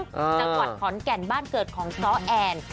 จังหวัดขอนแก่นบ้านเกิดของซ้อแอน